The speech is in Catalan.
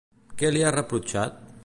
Què li ha reprotxat?